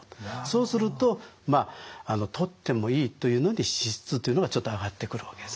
そうするとまあ「とってもいい」というのに脂質というのがちょっと挙がってくるわけですね。